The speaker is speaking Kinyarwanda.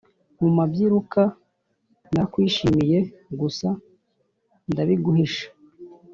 Mumabyiruka narakwishimiye gusa ndabiguhisha